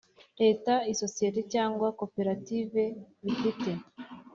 Leta isosiyete cyangwa koperative bifite